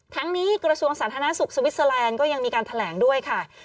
ทั้งนี้กระทรวงสาธารณสุขสวิสเตอร์แลนด์ก็ยังมีการแถลงด้วยค่ะ